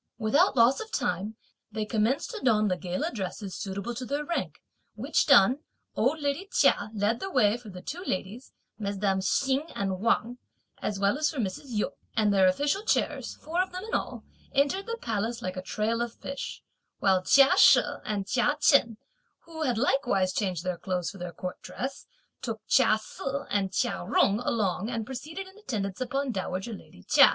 Without loss of time, they commenced to don the gala dresses suitable to their rank; which done, old lady Chia led the way for the two ladies, mesdames Hsing and Wang, as well as for Mrs. Yu; and their official chairs, four of them in all, entered the palace like a trail of fish; while Chia She and Chia Chen, who had likewise changed their clothes for their court dress, took Chia Se and Chia Jung along and proceeded in attendance upon dowager lady Chia.